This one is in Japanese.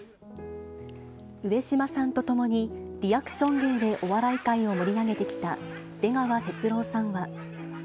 上島さんと共に、リアクション芸でお笑い界を盛り上げてきた、出川哲朗さんは。